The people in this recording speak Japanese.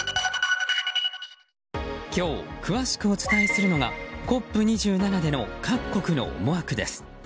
今日詳しくお伝えするのがＣＯＰ２７での各国の思惑です。